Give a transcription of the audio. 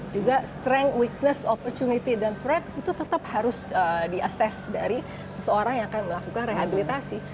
juga strength weakness opportunity dan fred itu tetap harus diasess dari seseorang yang akan melakukan rehabilitasi